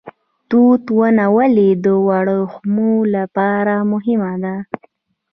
توت ونه ولې د وریښمو لپاره مهمه ده؟